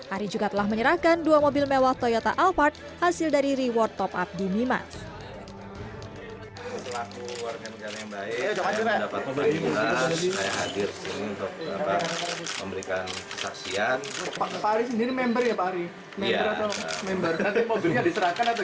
ari juga telah menyerahkan dua mobil mewah toyota alphard hasil dari reward top up di mimas